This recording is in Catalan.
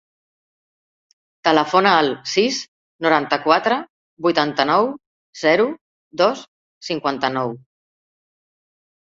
Telefona al sis, noranta-quatre, vuitanta-nou, zero, dos, cinquanta-nou.